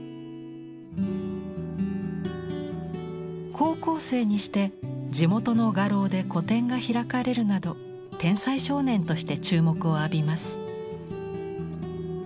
高校生にして地元の画廊で個展が開かれるなど天才少年として注目を浴びます。